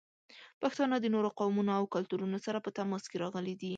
پښتانه د نورو قومونو او کلتورونو سره په تماس کې راغلي دي.